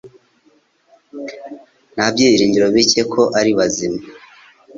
Nta byiringiro bike ko ari bazima.